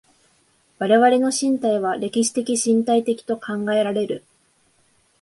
我々の身体は歴史的身体的と考えられる。